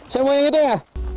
saya mulai gitu ya